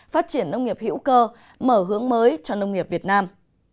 phát triển nông nghiệp hữu cơ mở hướng mới cho nông nghiệp việt nam